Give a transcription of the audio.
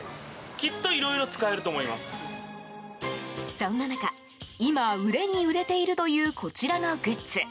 そんな中、今売れに売れているというこちらのグッズ。